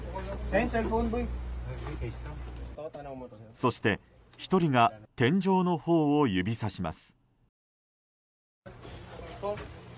そして、１人が天井のほうを指さします。